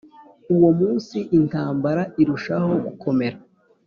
Uwo munsi intambara irushaho gukomera